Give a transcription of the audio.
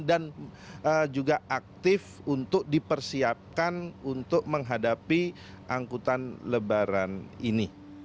dan juga aktif untuk dipersiapkan untuk menghadapi angkutan lebaran ini